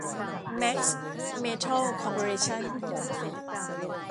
แมกซ์ เมทัล คอร์ปอเรชั่น